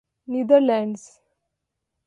neither lands